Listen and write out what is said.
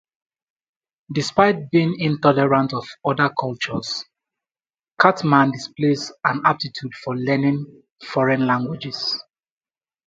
Despite being intolerant of other cultures, Cartman displays an aptitude for learning foreign languages.